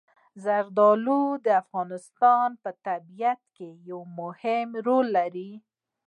زردالو د افغانستان په طبیعت کې یو مهم رول لري.